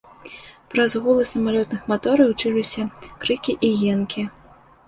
Праз гул самалётных матораў чуліся крыкі і енкі.